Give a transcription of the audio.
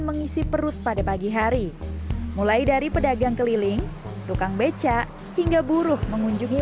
mengisi perut pada pagi hari mulai dari pedagang keliling tukang becak hingga buruh mengunjungi